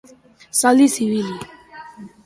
Zaldiz ibili.